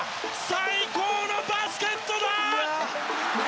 最高のバスケットだ！